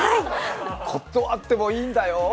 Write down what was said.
断ってもいいんだよ。